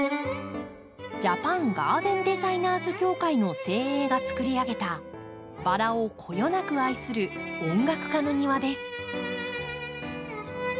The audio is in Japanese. ジャパンガーデンデザイナーズ協会の精鋭がつくり上げたバラをこよなく愛する音楽家の庭です。